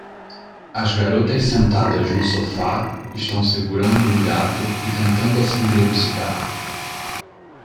As garotas sentadas no sofá estão segurando um gato e tentando acender um cigarro.